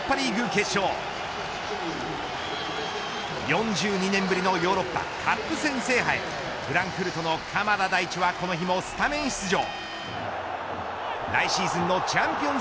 決勝４２年ぶりのヨーロッパカップ戦制覇へフランクフルトの鎌田大地はこの日もスタメン出場。